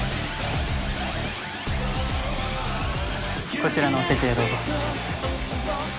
こちらのお席へどうぞ。